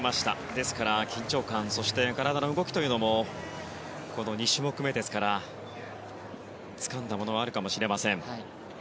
ですから、緊張感そして体の動きというのも２種目めですからつかんだものはあるかもしれません。